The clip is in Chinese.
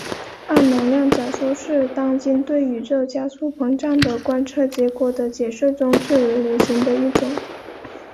暗能量假说是当今对宇宙加速膨胀的观测结果的解释中最为流行的一种。